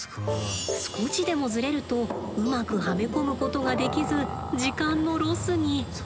少しでもズレるとうまくはめ込むことができず時間のロスに。